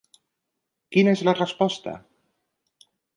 Quina és la resposta?